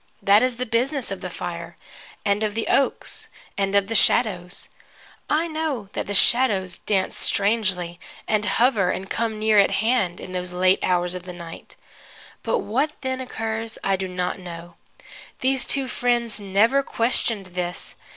That is the business of the fire, and of the oaks and of the shadows. I know that the shadows dance strangely, and hover and come near at hand, in those late hours of the night; but what then occurs I do not know. These two friends never questioned this.